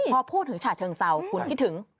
พอพูดถึงฉะเชิงเศร้าคุณคิดถึง